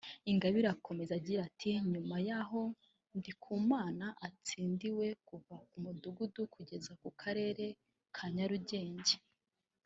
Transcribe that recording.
Ingabire akomeza agira ati “nyuma y’aho Ndikumana atsindiwe kuva ku mudugudu kugeza ku karere ka Nyarugenge